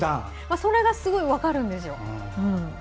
それがすごく分かるんです。